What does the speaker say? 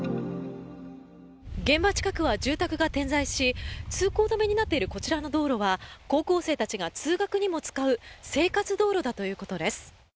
現場近くは住宅が点在し通行止めになっているこちらの道路は高校生たちが通学にも使う生活道路だということです。